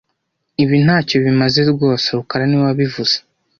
Ibi ntacyo bimaze rwose rukara niwe wabivuze